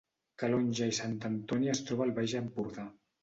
Calonge i Sant Antoni es troba al Baix Empordà